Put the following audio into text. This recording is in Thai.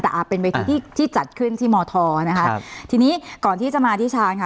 แต่อ่าเป็นเวทีที่ที่จัดขึ้นที่มธนะคะครับทีนี้ก่อนที่จะมาที่ชาญค่ะ